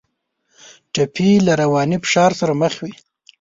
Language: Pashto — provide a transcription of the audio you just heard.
ټپي له رواني فشار سره مخ وي.